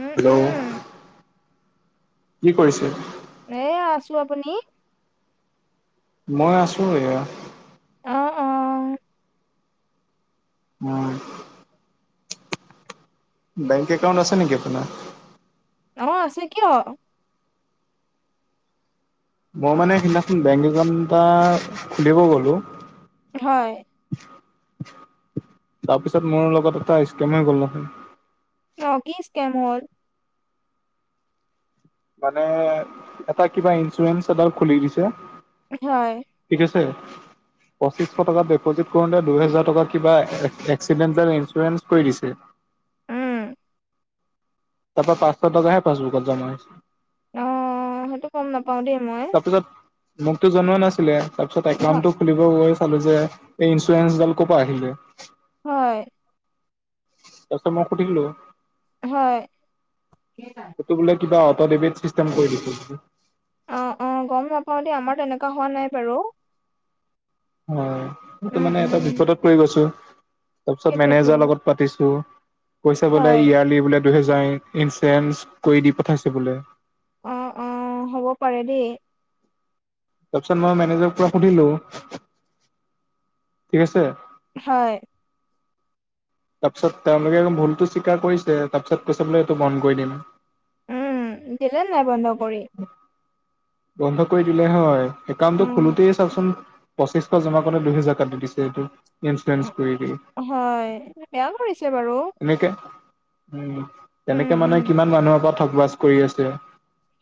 উম hello, উম কি কৰিছে। এ আছোঁ আপুনি? মই আছো এয়া অ', অ'। উম। বেংক একাউণ্ট আছে নেকি আপোনাৰ। অ', আছে কিয়? মই মানে সেইদিনাখন বেংক একাউণ্ট এটা খুলিব গলোঁ হয়। তাৰপিছত মোৰ লগত এটা স্কেছম হৈ গ'ল নহয় অ', কি স্কেম হ'ল। মানে এটা কিবা ইঞ্চুৰেঞ্চ এডাল খুলি দিছে। হয়। ঠিক আছে। পছিশ টকা ডিপজিট কৰোঁতে দুহেজাৰ টকা কিবা এক্সিডেণ্টেল ইনঞ্চোৰেচ কৰি দিছে। উম তাপ পৰা পাছশটা বা হে পাছবুকত জমা হৈছে। অটো গ'ম নাপাও দেই মই। তাৰপিছত মোকতো জনোৱা নাছিলে তাৰপিছত হ- একাউণ্টো খুলিব গৈ চালো যে এই ইঞ্চুৰেঞ্চডাল ক'ৰ পৰা আহিলে। হয়। তাৰপিছত মই সুধিলো হয়। এটো বোলে কিবা অটো ডেবিট চিচটেম কৰি দিছে। অ', অ', গ'ম নাপাওঁ দে আমাৰ তেনেকুৱা হোৱা নাই বাৰু। অ', সেইটো উম মানে উম এটা বিপদত পৰি গৈছোঁ তাৰপিছত সেইটোয়েতো মেনেজাৰ লগত পাতিছোঁ। পইচা বোলে হয় ইয়াৰ্লি বোলে দুহেজাৰ ইঞ্চুৰেঞ্চ কৰি দি পঠাইছে বোলে। অ', অ', হ'ব পাৰে দেই। তাৰপিছত মই মেনেজৰ পৰা সুধিলো। ঠিক আছে। হয়। তাৰপিছত তেওঁলোকে ভুলতো স্বীকাৰ কৰিছে তাৰপিছত কৈছে বোলে এইেইটো বন্ধ কৰি দিম। উম দিলে নাই বন্ধ কৰি। বন্ধ কৰি দিলে হয় একাউণ্ট টো উম খোলোটে চাওচোন পঁচিশ জমা কৰিতো দুহেজাৰ কাটি দি দিছে এইটো ইঞ্চুৰেঞ্চ কৰি দি। হয় বেয়া কৰিছে বাৰু। এনেকে উম উম তেনেকে মানে উম কিমান মানুহৰ পৰা ঠগ বচ কৰি আছে।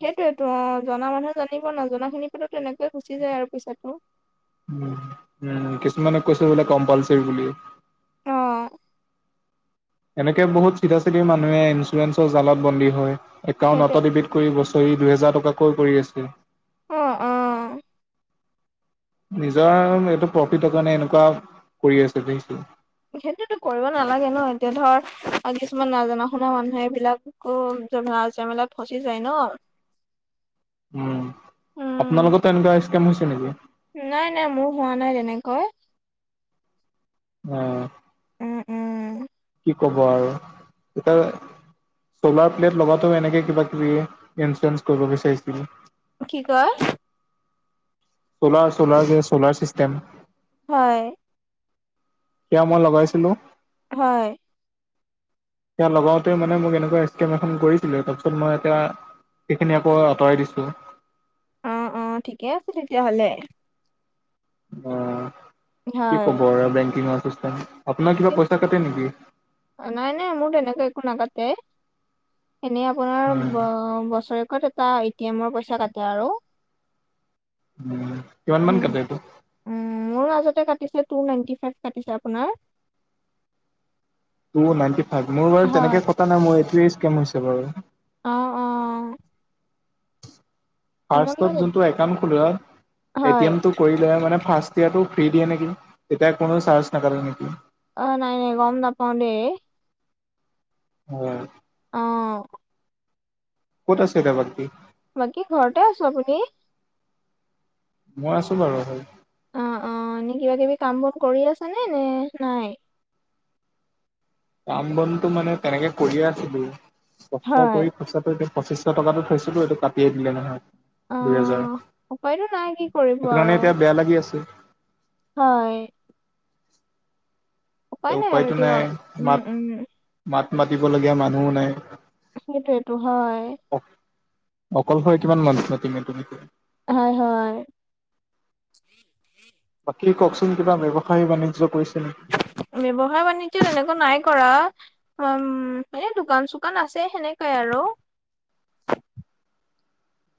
সেইটোয়েতো অঁ জনা মানুহে জানিব নজনা খিনিৰ পাছত তেনেকৈয়ে গুচি যায় আৰু পিছত ন। উম উম কিছুমানে কৈছিল বোলে কম্পালচৰি বুলি। অ', এনেকে বহুত চিধা চিধি মানুহে ইঞ্চুৰেঞ্চৰ জালত বন্দী হয়, সেইটোৱে একাউণ্টনতে ডিবট কৰি বছৰি দুহেজাৰ টকাকৈ কৰি আছে। অঁ অঁ। নিজৰ এইটো প্ৰফিটৰ কাৰণে এনেকুৱা কৰি আছে দেখিছে। সেইটোতো কৰিব নালাগে ন, এতিয়া ধৰ কিছুমান নাজানা শুনা মানুহে এইবিলাক আকৌ জেমেলাত ফচি যায় ন। উম, উম, আপোনালোকতো এনেকুৱা স্কেম হৈছে নেকি? নাই নাই মোৰ হোৱা নাই তেনেকৈ। অঁ। উম উম। কি ক'ব আৰু, এতিয়া চ'লাৰ প্লেট লগাটো এনেকে কিবা কিবি ইঞ্চুৰেঞ্চ কৰিব বিচাৰিছিল। কি কয়। চলাৰ চলাৰ যে চলাৰ চিষ্টেম। হয়। এতিয়া মই লগাইছিলো। হয়। এতিয়া লগাওতে মানে মোক এনেকুৱা স্কিম এখন কৰিছিলে, তাৰপিছত মই এতিয়া সেইখিনি আকৌ আতৰাই দিছো। অঁ অঁ, ঠিকে আছে তেতিয়ালে হলে। অঁ, কি হয়। কব বেংকিং আপোনাৰ কিবা পইচা কাটে নেকি? অঁ, নাই নাই মোৰ তেনেকুৱা একো নাকাতে এনেই আপোনাৰ উম বছৰেকত এটা এটি এমৰ পইচা কাটে আৰু। উম কিমান মান উম। কাতে এইটো। উম, মোৰ মাজতে কাটিছে টু নাইনটি ফাইভ কাটিছে আপোনাৰ। টু নাইনটি ফাইভ, মোৰ বাৰু হয়। তেনেকে কথা নাই মোৰ এইটোৱে স্কেম হৈছে বাৰু। অঁ অঁ। আমাৰ ফাৰ্ষ্টত লগত যোনটো একাউণ্ট খুলোৱাই হয়, এটি এম কৰি মানে ফাৰ্ষ্ট ইয়াৰটো ফ্ৰী দিয়ে নেকি, তেতিয়া কোনো চাৰ্জ নাকাতে নেকি। অঁ, নাই নাই গম নাপাওঁ দে। হয়। অঁ। কত আছে এতিয়া বাকী? বাকী ঘৰতে আছো, আপুনি? মই আছো বাৰু হয়। অঁ অঁ, এনে কিবা কিবি কাম বন কৰি আছ নে নে নাই? কাম বনতো মানে তেনেকে কৰিয়ে আছিলো কষ্ট হয়, কৰি। পিছতটো এয়া পঁচিশ টকাটো থৈছিলো, এইটো কাটিয়ে দিলে নহয়। দুহেজাৰ, অ', উপায়তো নাই কি কৰিব সেইটো আৰু। কাৰণে এতিয়া বেয়া লাগি আছে। হয়। এ উপায় আৰু উপায়তো নাই, দিয়ক। উম, মাত উম, মাত মাতিবলগীয়া মানুহো নাই। সেইটোৱেটো হয়। অ-অকলশৰে কিমান মানুহ মাতিবা তুমি? হয়, হয়। বাকী কওকচোন কিবা ব্যয়ৱসায়ী বাণিজ্য কৰিছে নেকি? ব্যৱসায় বাণিজ্য তেনেকৈ নাই কৰা। উম, এনে দোকান-চোকান আছে সেনেকাই আৰু।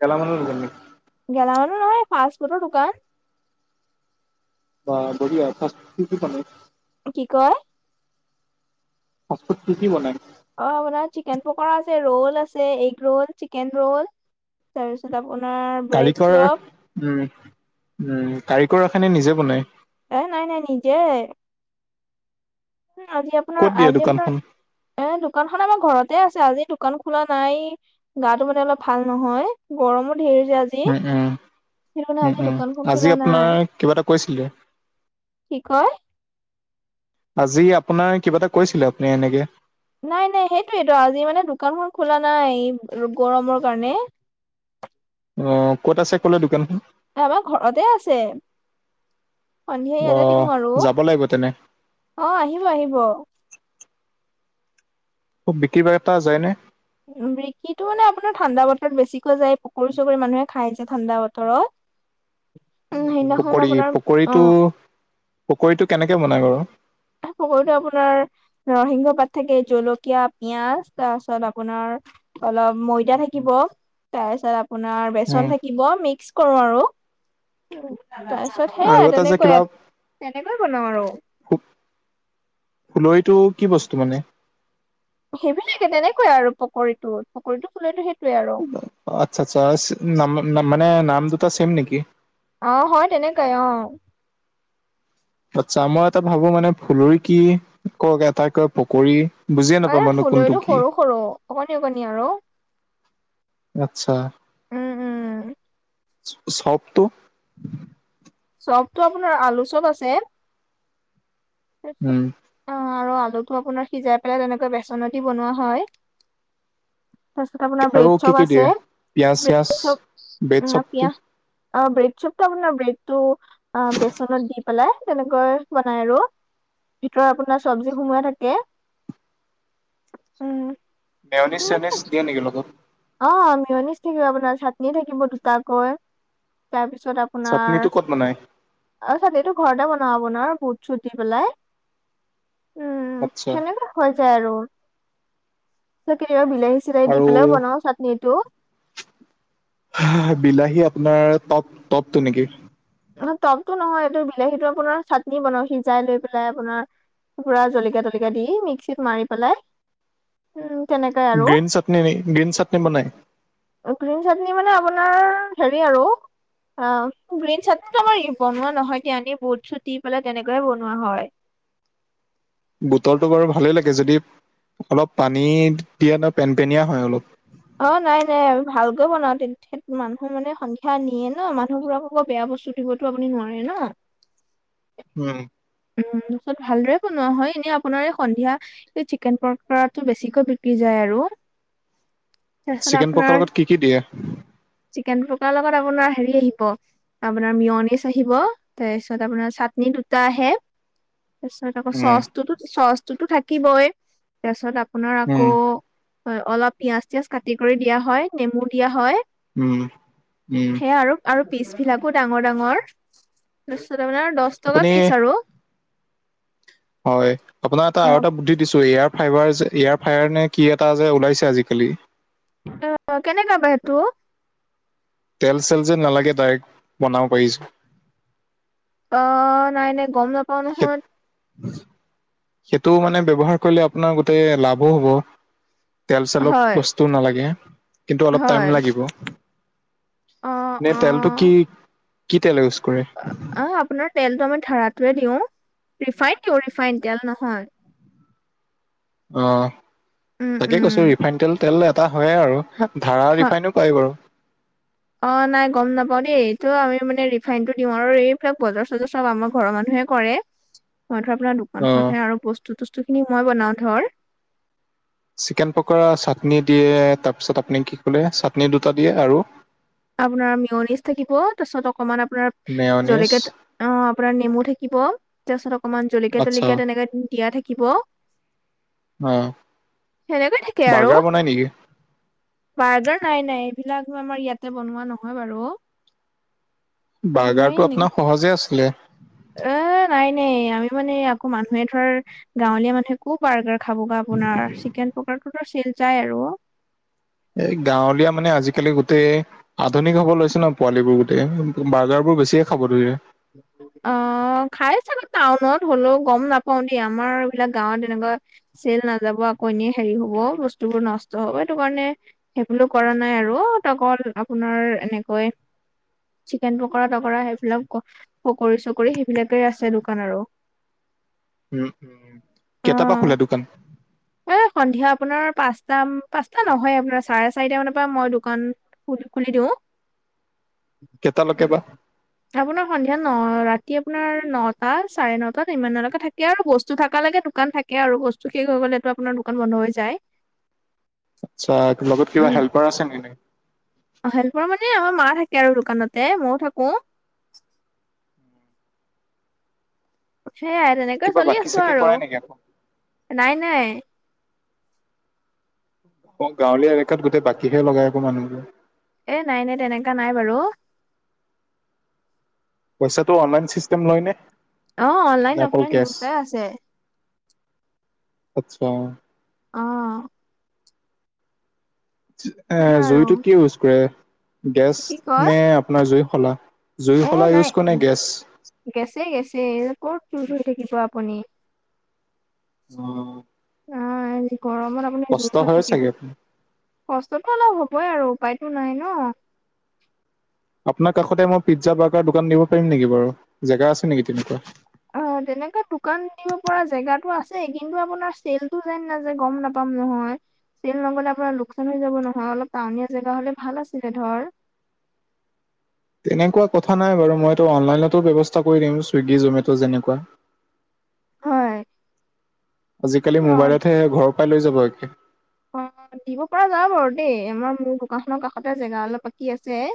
গেলামালৰ দোকান নেকি? গেলা মালৰ নহয় ফাষ্ট ফুডৰ দোকান। বা বঢ়িয়া ফাষ্ট ফুড কি কি বনাই? কি কয় ফাষ্ট ফুড কি কি বনাই? অ', আপোনাৰ চিকেন পকৰা আছে, ৰ'ল আছে, এগ ৰোল, চিকেন ৰ'ল তাৰপিছত আপোনাৰ ব্ৰেড কাৰিকৰ চপ। উম, উ, কাৰিকৰ ৰাখে নে নিজে বনাই? এ নাই নাই নিজে। আজি আপোনাৰ ক'ত দিয়ে আজি আপোনাৰ দোকানখন? এ দোকানখন আমাৰ ঘৰতে আছে আজি দোকান খোলা নাই। গাটো মানে অলপ ভাল নহয় গৰমো ধেৰ যে আজি। উম, উম, সেইটো কাৰণে উম, আজি উম, দোকানখন খোলা আজি আপোনাৰ নাই কিবা এটা কৈছিলে। কি কয়? আজি আপোনাৰ কিবা এটা কৈছিলে আপুনি এনেকে। নাই নাই সেইটোৱেইটো আজি মানে দোকানখন খোলা নাই এই গৰমৰ কাৰণে। অ', ক'ত আছে ক'লে দোকান? এ আমাৰ ঘৰতে আছে সন্ধিয়া ইয়াতে অ' দিয়ো আৰু। যাব লাগিব তেনে অ', আহিব আহিব। বিক্ৰী বাৰ্তা যায়নে? উম, বিক্ৰীটো মানে আপোনাৰ ঠাণ্ডা বতৰত বেছিকৈ যায় পকৰি চকৰি মানুহে খাই যে ঠাণ্ডা বতৰত। উম সেইদিনাখন পকৰী আপোনাৰ পকৰীটো অ' পকৰীটো কেনেকে বনাই বাৰু? পকৰীটো আপোনাৰ নৰসিংহ পাত থাকে জলকীয়া পিয়াজ তাৰ পাছত আপোনাৰ অলপ ময়দা থাকিব তাৰপিছত আপোনাৰ উম বেচন থাকিব মিক্স কৰোঁ আৰু। তাৰপিছত আৰু সেয়া এটা যে তেনেকৈ, কিবা তেনেকৈ বনাওঁ আৰু। ফুলৰিটো কি বস্তু মানে? সেইবিলাকে তেনেকৈ আৰু পকৰীটো, পকৰীটো ফুলৰিটো সেইটোয়ে আৰু। আচ্ছা আচ্ছা মানে নাম দুটা ছেম নেকি? অ', হয় তেনেকাই অ'। আচ্ছা মই এটা ভাবোঁ মানে ফুলৰি কি কওক এটাই কয় পকৰী। বুজিয়ে নাপাওঁ মানে কোনটো ফুলৰিটো কি সৰু সৰু অকণি অকণি আৰু। আচ্ছা। উম, উম। চপটো? চপটো আপোনাৰ আলু চপ আছে। তাৰপিছত উম অ', আৰু আলুটো আপোনাৰ সিজাই পেলাই তেনেকৈ বেচনত দি বনোৱা হয়। তাৰপিছত আপোনাৰ আৰু ব্ৰেড কি চপ কি আছে দিয়ে পিয়াজ চিয়াজ ব্ৰেড চপ বেড চপটো পিয়াঁজ অ', ব্ৰেড চপটো আপোনাৰ ব্ৰেডটো অ', বেচনত দি পেলাই তেনেকৈ বনাই আৰু। ভিতৰত আপোনাৰ চব্জি সোমাই থাকে, উম। সেনেকে মেয়নিছ-চেয়নিছ দিয়ে নেকি লগত? অ, মেয়নিচ থাকিব আপোনাৰ, চাটনি থাকিব দুটাকৈ। তাৰপিছত আপোনাৰ চাটনিটো ক'ত বনাই? তাৰপাছত, এইটো ঘৰতে বনোৱা আপোনাৰ বুট-ছুট দি পেলাই। উম, আচ্ছা সেনেকুৱা হৈ যায় আৰু। তাৰপাছত কেতিয়াবা বিলাহী-চিলাহী দি আৰু পেলাইও বনাওঁ চাটনি টো। বিলাহী আপোনাৰ টক-টকটো নেকি! টকতো নহয়, এইটো বিলাহীটো আপোনাৰ চাটনি বনাওঁ, সিজাই লৈ পেলাই আপোনাৰ পুৰা জলকীয়া-তলকীয়া দি, মিক্সিত মাৰি পেলাই। উম, তেনেকাই। আৰু গ্ৰীন চাটনি, গ্ৰীন চাটনি বনাই! গ্ৰীণ চাটনি মানে আপোনাৰ হেৰি আৰু অ, গ্ৰীণ চাটনি টো আমাৰ বনোৱা নহয় দিয়া, এনে বুট-চুট দি পেলাই তেনেকুৱায়ে বনোৱা হয়। বুটটো বাৰু ভালেই লাগে! যদি অলপ পানী দিয়ে নহয় পেনপেনীয়া হয় অলপ। অ, নাই, নাই, আমি ভালকৈ বনাওঁ, [unintelligible] মানুহ মানে সন্ধিয়া নিয়ে ন, মানুহবোৰক আকৌ বেয়া বস্তু দিবতো আপুনি নোৱাৰে ন। উম। উম, তাৰপাছত ভালদৰে বনোৱা হয়, এনে আপোনাৰ এই সন্ধিয়া চিকেন পকৰাটো বেছিকৈ বিক্ৰী যায় আৰু। [inaudible] তাৰপিছত চিকেন পকাৰ আপোনাৰ লগত কি কি দিয়ে? চিকেন পকাৰ লগত আপোনাৰ হেৰি আহিব। আপোনাৰ মিয়নিছ আহিব, তাৰ পিছত আপোনাৰ চাটনি দুটা আহে। তাৰপিছত আকৌ উম, চচটোতো- চচটোতো থাকিবই। তাৰপিছত আপোনাৰ আকৌ উম, হয়, অলপ পিয়াঁজ-চিয়াঁজ কাটি কৰি দিয়া হয়, নেমু দিয়া হয়। উম, উম। সেয়া আৰু আৰু পিচ বিলাকো ডাঙৰ- ডাঙৰ। তাৰপিছত আপোনাৰ দহ টকা আপুনি পিচ আৰু। হয়, আপোনাৰ এটা আৰু এটা অ বুদ্ধি দিছোঁ, এয়াৰ ফাইভাৰ যে এয়াৰ ফায়াৰ নে কি এটা যে ওলাইছে আজিকালি অ', কেনেকুৱা বা সেইটো। তেল-চেল যে নালাগে ডাইৰেক্ট বনাব পাৰিছোঁ। অ', নাই, নাই, গম নাপাও নহয়। সেইটো মানে ব্যৱহাৰ কৰিলে আপোনাৰ গোটেই লাভো হ'ব। তেল-চেলপ হয় বস্তু নালাগে, কিন্তু অলপ টাইম হয় লাগিব। অ নে, অ তেলটো কি কি তেল ইউজ কৰে? অ', অ, আপোনাৰ তেলটো আমি ধাৰটোয়ে দিওঁ, ৰিফাইন দিওঁ ৰিফাইন, তেল নহয়। অ', উম, তাকে উম। কৈছোঁ। ৰিফাইন তেল তেল এটা হয়ে আৰু ধাৰা ৰিফাইন হয় বাৰু! অ', নাই, গম নাপাওঁ দেই। এইটো আমি মানে ৰিফাইন টো দিওঁ আৰু এইবিলাক বজাৰ-চজাৰ চব আমাৰ ঘৰৰ মানুহে কৰে। মই ধৰ আপোনাৰ অ দোকানখনহে আৰু বস্তু-তস্তু খিনি মই বনাও ধৰ। চিকেন পকৰা চাটনি দিয়ে, তাৰপিছত আপুনি কি ক'লে? চাটনি দুটা দিয়ে আৰু? আপোনাৰ মিয়নিচ থাকিব, তাৰপিছত অকমান আপোনাৰ মেয়নিজ জলেকীয়া অ', আপোনাৰ নেমু থাকিব। তাৰ পাছত অকণমান আচ্ছা জলকীয়া-তলকীয়া তেনেকে দিয়া থাকিব। অ হেনেকৈ থাকে আৰু। বাৰ্গাৰ বনাই নেকি বাৰ্গাৰ, নাই, নাই, এইবিলাক আমাৰ ইয়াতে বনোৱা নহয় বাৰু। বাৰ্গাৰটো আপোনাৰ সহজে আছিলে। এ, নাই, নাই, আমি মানে আকৌ মানুহে ধৰ, গাঁৱলীয়া মানুহে কো বাৰ্গাৰ খাবগে আপোনাৰ চিকেন পকৰাতোটো চেল যাই আৰু। এই গাঁৱলীয়া মানে আজিকালি গোটেই- আধুনিক হব লৈছে ন পোৱালিবোৰ গোটেই, বাৰ্গাৰবোৰ বেছিকে খাব ধৰিলে। [unintelligible] অঁ' খাই চাগৈ টাউনত, হ'লেও গম নাপাওঁ দেই আমাৰ এইবিলাক গাঁৱত এনেকুৱা- চেল নাযাব আকৌ' এনেই হেৰি হব বস্তুবোৰ নষ্ট হব, সেইটো কাৰণে- সেইবুলো কৰা নাই আৰু অকল আপোনাৰ এনেকৈ- চিকেন পকৰা তকৰা সেইবিলাক- পকৰি চকৰি সেইবিলাকেই আছে দোকান আৰু। উম' উম' কেইটা পা খোলা অ' দোকান? এ সন্ধিয়া আপোনাৰ পাঁচ পাচটা নহয় আপোনাৰ চাৰে চাৰিটা মানৰ পৰা মই দোকান- খুল খুলি দিওঁ। কেটা লৈকে বা। আপোনাৰ সন্ধিয়া ন ৰাতি আপোনাৰ নটা চাৰে নটাত ইমানলৈকে থাকে আৰু বস্তু থাক লৈকে দোকান থাক- কে আৰু বস্তু শেষ হৈ গ'লেটো আপোনাৰ দোকান বন্ধ হৈ যায়। আতছা লগত কিবা হেল্পাৰ আছে নে নাই। অঁ' হেল্পাৰ মানে আমাৰ মা থাকে আৰু দোকানতে মইও থাকোঁ। সেয়াই তেনেকৈ কিবা চলি বাকী আছোঁ চাকি আৰু, কৰে নেকি আকৌ? নাই নাই। অঁ' গাঁৱলীয়া এলেকাত গোটেই বাকীহে লগাই আকৌ মানুহবোৰে। এ নাই নাই তেনেকুৱা নাই বাৰু। পইচাটো অনলাইন ছিষ্টেম লয়নে অ', অনলাইন নে অকল অফলাইন কেচ। দুটাই আছে আৎচ্ছা। অ', এঁ সেই আৰু জইটো কি ইউজ কৰে? কি গেছ কয় নে আপোনাৰ জুই শলা, জুই শলা নাই ইউজ কৰে নে গেছ? গেছেই গেছেই, এ ক'ত জুই ধোই থাকিব আপুনি? অঁ' অঁ' এই গৰমত আপুনি জুই ওচৰত হয় থাকিব- চাগে। আপোনাৰ কষ্টতো অলপ হ'বই আৰু উপায়তো নাই ন। আপোনাৰ কাষতে মই পিজ্জা বাৰ্গাৰ দোকান দিব পাৰিম নেকি বাৰু জেগা আছে নেকি তেনেকুৱা? অঁ' তেনেকা দোকান দিব পৰা জেগাটো আছেই, কিন্তু আপোনাৰ চেলটো যাই নে নাযাই গম নাপা- পাম নহয়। চেল নগলে আপোনাৰ লোকচান হৈ যাব নহয়, অলপ টাউনীয়া জেগা হলে ভাল আছিলে ধৰ। তেনেকুৱা কথা নাই বাৰু মইতো অনলাইনতো ব্যৱস্থা কৰি দিম চুইগি, জমেট' যেনেকুৱা। হয়। আজিকালি অ', মোবাইলতহে, ঘৰৰ পৰাই লৈ যাব এখে। অ' দিব পৰা যাই বাৰু দেই আমাৰ মোৰ দোকানখনৰ কাষতে জেগা অলপ বাকী আছে।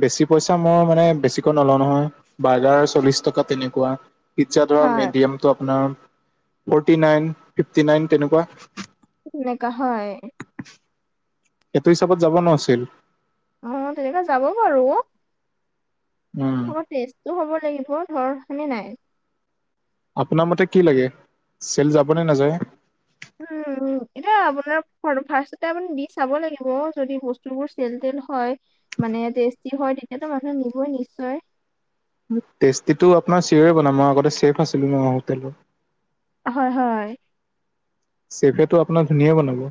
বেছি পইচা মই মানে, বেছিকৈ নলওঁ নহয়। বাৰ্গাৰ চল্লিশ টকা তেনেকুৱা। পিজ্জা ধৰা হয় মেডিয়ামটো আপোনাৰ ফৰ্টি নাইন, ফিফটি নাইন তেনেকুৱা। তেনেকা হয়। এইটো হিচাপত যাব ন চেল। অঁ' তেনেকুৱা যাব বাৰু। উম অলপ টেষ্টটো হ'ব লাগিব ধৰ, হয় নে নাই? আপোনাৰ মতে কি লাগে, চেল যাবনে নাযায়? উম উম' এতিয়া আপোনাৰ ফাৰ্ষ্টতে আপুনি দি চাব লাগিব যদি বস্তুবোৰ চেল-তেল হয়। মানে টেষ্টি হয়, তেতিয়াতো মানুহে নিবই নিশ্চয়। টেষ্টিটো আপোনাৰ চিঅ'ৰে বনাম। মই আগতে চেফ আছিলোঁ ন, হোটেলত। হয়। হয়। চেফেটো আপোনাৰ ধুনীয়া বনাব।